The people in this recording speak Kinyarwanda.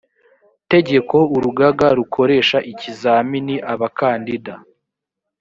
tegeko urugaga rukoresha ikizamini abakandida